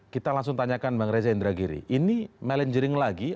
kita langsung tanyakan bang reza indragiri ini melengering lagi